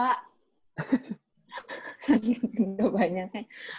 saking gendut banyak kan